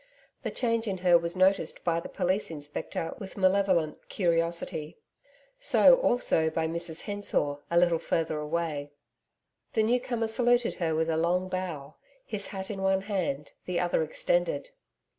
The change in her was noticed by the Police Inspector, with malevolent curiosity. So also by Mrs Hensor, a little further away. The new comer saluted her with a low bow, his hat in one hand, the other extended.